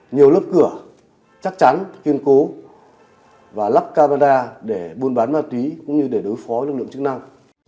nhiều lớp cửa chắc chắn kiên cố và lắp camera để buôn bán ma túy cũng như để đối phó lực lượng chức năng